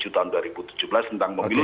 tahun dua ribu tujuh belas tentang memilu